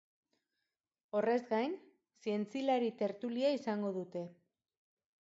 Horrez gain, zientzilari tertulia izango dute.